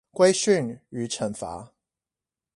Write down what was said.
規訓與懲罰